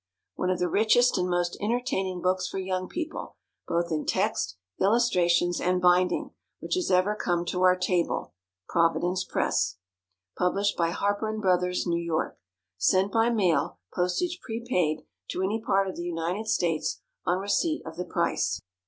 _ One of the richest and most entertaining books for young people, both in text, illustrations, and binding, which has ever come to our table. Providence Press. Published by HARPER & BROTHERS, N. Y. _Sent by mail, postage prepaid, to any part of the United States, on receipt of the price.